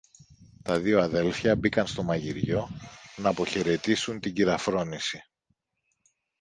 Τα δυο αδέλφια μπήκαν στο μαγειριό ν' αποχαιρετήσουν την κυρα-Φρόνηση